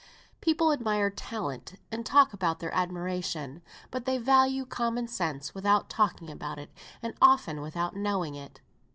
People admire talent, and talk about their admiration. But they value common sense without talking about it, and often without knowing it.